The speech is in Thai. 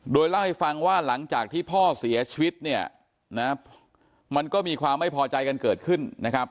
โดยเล่าให้ฟังว่าหลังจากที่พ่อเสียชีวิตเนี่ยนะมันก็มีความไม่พอใจกันเกิดขึ้นนะครับ